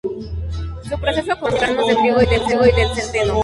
Su proceso comienza con los granos del trigo y del centeno.